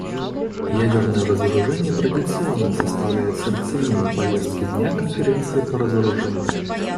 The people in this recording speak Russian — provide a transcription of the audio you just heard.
Ядерное разоружение традиционно составляет сердцевину повестки дня Конференции по разоружению.